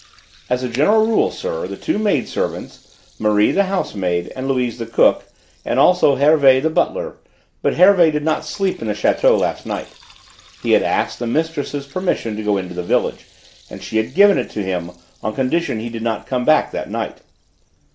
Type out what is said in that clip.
"As a general rule, sir, the two maid servants, Marie the housemaid and Louise the cook, and also Hervé the butler; but Hervé did not sleep in the château last night. He had asked the mistress's permission to go into the village, and she had given it to him on condition that he did not come back that night."